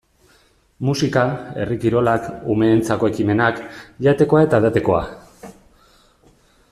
Musika, herri kirolak, umeentzako ekimenak, jatekoa eta edatekoa...